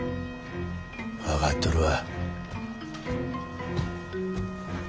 分かっとるわ。